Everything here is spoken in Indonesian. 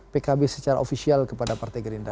pkb secara ofisial kepada partai gerindra